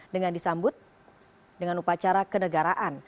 dengan disambut dengan upacara kenegaraan